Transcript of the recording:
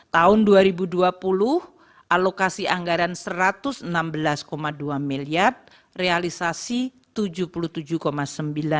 tahun dua ribu dua puluh alokasi anggaran rp satu ratus enam belas dua miliar realisasinya